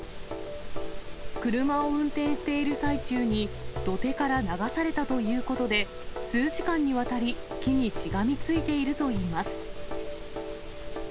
車を運転している最中に、土手から流されたということで、数時間にわたり、木にしがみついているといいます。